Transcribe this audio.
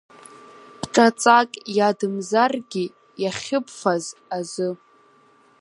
Ҿаҵак иадамзаргьы иахьыбфаз азы.